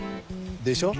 でしょ？